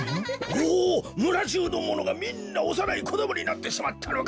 おおむらじゅうのものがみんなおさないこどもになってしまったのか？